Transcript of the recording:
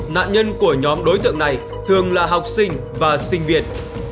nạn nhân của nhóm đối tượng này thường là học sinh và sinh viên